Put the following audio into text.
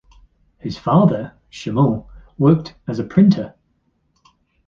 His father, Shmuel, worked as a printer.